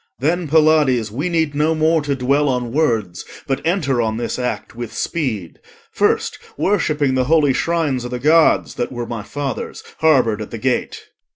Then, Pylades, we need no more to dwell On words, but enter on this act with speed, First worshipping the holy shrines o' the Gods That were my father's, harboured at the gate.